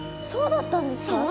そうだったんですか？